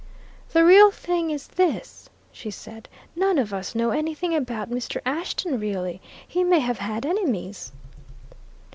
"The real thing is this," she said, "none of us know anything about Mr. Ashton, really. He may have had enemies."